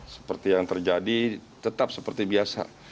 seperti yang terjadi tetap seperti biasa